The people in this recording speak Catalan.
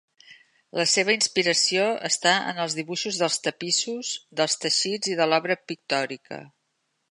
La seva inspiració està en els dibuixos dels tapissos dels teixits i de l'obra pictòrica.